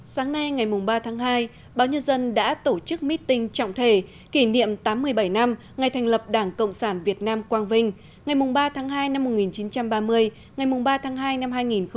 sáng nay ngày ba tháng hai báo nhân dân đã tổ chức meeting trọng thể kỷ niệm tám mươi bảy năm ngày thành lập đảng cộng sản việt nam quang vinh ngày ba tháng hai năm một nghìn chín trăm ba mươi ngày ba tháng hai năm hai nghìn hai mươi